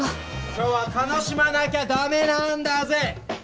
今日は楽しまなきゃだめなんだＺＥ。